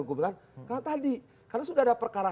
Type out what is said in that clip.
hukum kan karena tadi karena sudah ada perkara